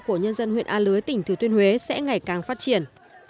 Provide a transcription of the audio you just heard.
của nhân dân huyện a lưới tỉnh thừa thiên huế sẽ ngày càng phát triển